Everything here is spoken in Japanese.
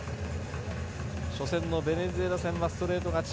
初戦のベネズエラ戦はストレート勝ち。